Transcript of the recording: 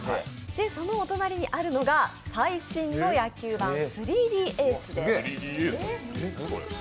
そのお隣にあるのが最終の野球盤３Ｄエースです。